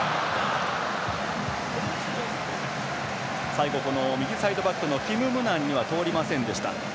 最後、右サイドバックのキム・ムナンには通りませんでした。